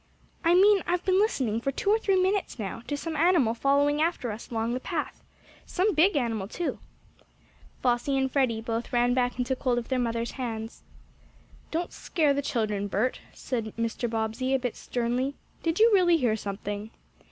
"I mean I've been listening for two or three minutes now, to some animal following after us along the path. Some big animal, too." Flossie and Freddie both ran back and took hold of their mother's hands. "Don't scare the children, Bert," said Mr. Bobbsey, a bit sternly. "Did you really hear something?"